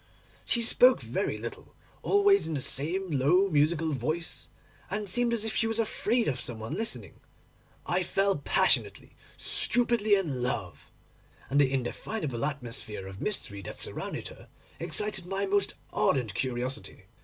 She spoke very little, always in the same low musical voice, and seemed as if she was afraid of some one listening. I fell passionately, stupidly in love, and the indefinable atmosphere of mystery that surrounded her excited my most ardent curiosity.